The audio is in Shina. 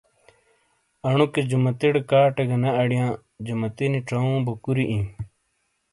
انوکے جیمتیٹے کاٹے گہ نے اڈیاں جمتینی چووں بو کوری آیں۔